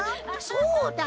そうだ！